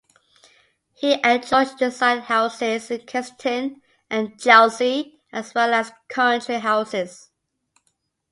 He and George designed houses in Kensington and Chelsea, as well as country houses.